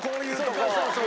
そうそう。